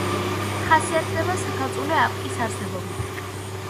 ხასიათდება საქალწულე აპკის არსებობით.